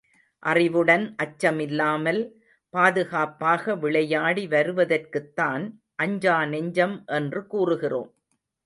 அறிவுடன் அச்சமில்லாமல், பாதுகாப்பாக விளையாடி வருவதற்குத்தான் அஞ்சா நெஞ்சம் என்று கூறுகிறோம்.